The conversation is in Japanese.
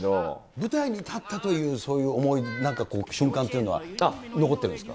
舞台に立ったというそういう思い、なんか瞬間というのは残ってるんですか？